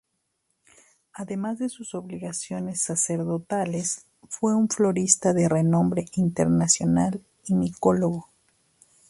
Además de sus obligaciones sacerdotales, fue un florista de renombre internacional y micólogo.